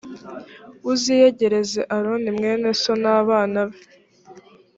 uziyegereze aroni mwene so n abana be